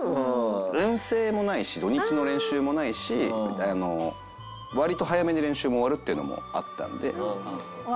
遠征もないし土日の練習もないし割と早めに練習も終わるっていうのもあったんで。